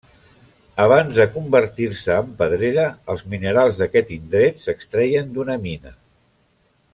Abans de convertir-se en pedrera, els minerals d'aquest indret s'extreien d'una mina.